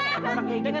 dengar uya dengar